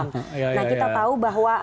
nah kita tahu bahwa